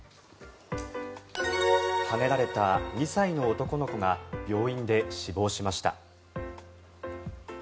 はねられた２歳の男の子が病院で死亡しました。